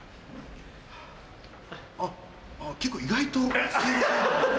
あっ結構意外と吸える。